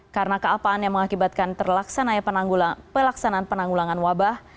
karena keapaan yang mengakibatkan terlaksanai pelaksanaan penanggulangan wabah